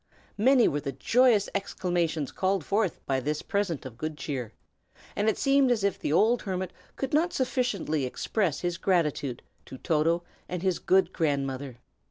Many were the joyous exclamations called forth by this present of good cheer; and it seemed as if the old hermit could not sufficiently express his gratitude to Toto and his good grandmother.